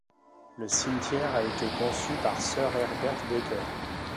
Le cimetière a été conçu par Sir Herbert Baker.